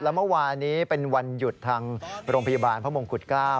แล้วเมื่อวานี้เป็นวันหยุดทางโรงพยาบาลพระมงกุฎเกล้า